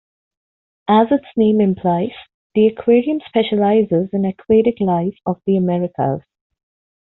As its name implies, the aquarium specializes in aquatic life of the Americas.